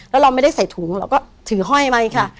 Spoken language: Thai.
แล้วเราไม่ได้ใส่ถุงเราก็ถือห้อยมาอีกค่ะ